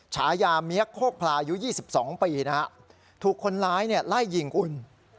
ชายามเมี๊ยะโคกพลายุ๒๒ปีนะฮะถูกคนร้ายเนี่ยไล่ยิงอุ่น